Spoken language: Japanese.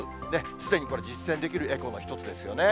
すでにこれ、実践できるエコの１つですよね。